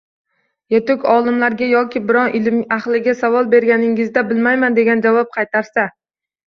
Yetuk olimga yoki biron ilm ahliga savol berganingizda “Bilmayman”, deb javob qaytarsa